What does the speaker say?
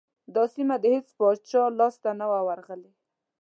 دا سیمه د هیڅ پاچا لاسته نه وه ورغلې.